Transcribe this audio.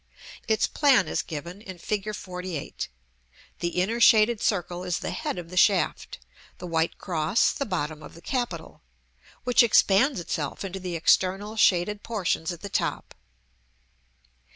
Its plan is given in Fig. LXVIII.: the inner shaded circle is the head of the shaft; the white cross, the bottom of the capital, which expands itself into the external shaded portions at the top.